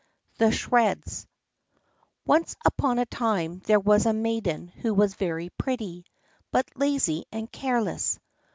The Shreds Once upon a time there was a maiden who was very pretty, but lazy and careless.